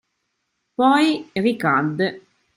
Poi ricadde.